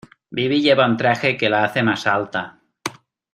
Bibi lleva un traje que la hace más alta.